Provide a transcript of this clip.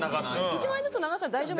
１枚ずつ流したら大丈夫？